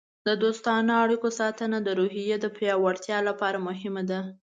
د دوستانه اړیکو ساتنه د روحیې د پیاوړتیا لپاره مهمه ده.